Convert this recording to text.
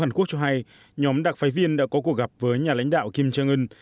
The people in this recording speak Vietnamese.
hàn quốc cho hay nhóm đặc phái viên đã có cuộc gặp với nhà lãnh đạo kim trang ưn